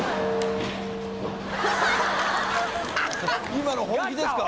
「今の本気ですか？」